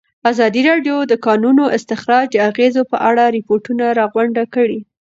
ازادي راډیو د د کانونو استخراج د اغېزو په اړه ریپوټونه راغونډ کړي.